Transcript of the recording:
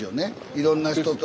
いろんな人と。